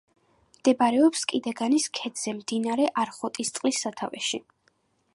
მდებარეობს კიდეგანის ქედზე, მდინარე არხოტისწყლის სათავეში.